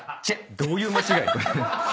どういう間違い⁉